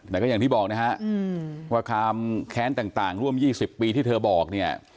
แต่ก็อย่างที่บอกนะฮะว่าความแค้นต่างร่วม๒๐ปีที่เธอบอกเนี่ย